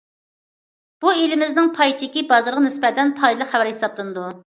بۇ، ئېلىمىزنىڭ پاي چېكى بازىرىغا نىسبەتەن پايدىلىق خەۋەر ھېسابلىنىدۇ.